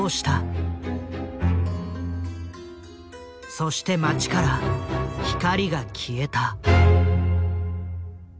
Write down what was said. そして町から光が消えた。